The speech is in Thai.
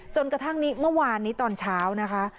จนกระทั่งนี้เมื่อวานนี้ตอนเช้านะคะ